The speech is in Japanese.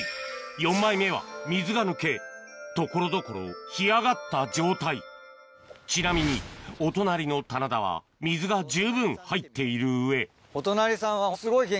４枚目は水が抜け所々干上がった状態ちなみに水が十分入っている上お隣さんは。